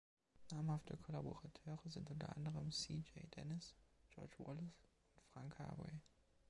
Namhafte Kollaborateure sind u. a. C. J. Dennis, George Wallace und Frank Harvey.